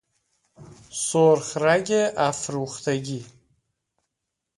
سرخرگ افروختگی